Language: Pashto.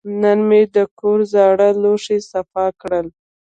نن مې د کور زاړه لوښي صفا کړل.